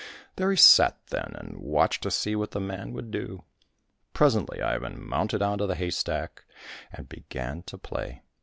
There he sat then, and watched to see what the man would do. Presently Ivan mounted on to the haystack and began to play.